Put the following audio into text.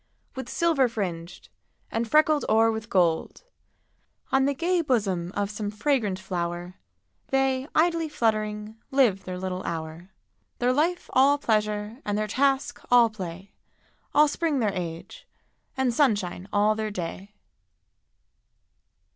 With silver fringed, and freckled o'er with gold: On the gay bosom of some fragrant flower They, idly fluttering, live their little hour; Their life all pleasure, and their task all play, All spring their age, and sunshine all their day.